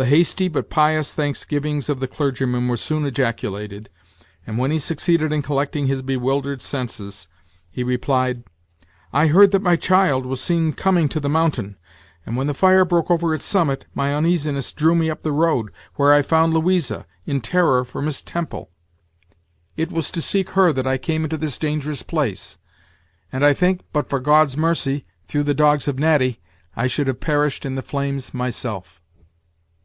The hasty but pious thanksgivings of the clergyman were soon ejaculated, and, when he succeeded in collecting his bewildered senses, he replied: "I heard that my child was seen coming to the mountain; and, when the fire broke over its summit, my uneasiness drew me up the road, where I found Louisa, in terror for Miss Temple. It was to seek her that I came into this dangerous place; and I think, but for God's mercy, through the dogs of Natty, I should have perished in the flames myself."